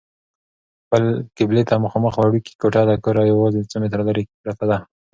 قبلې ته مخامخ وړوکې کوټه له کوره یوازې څو متره لیرې پرته ده.